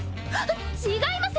違います！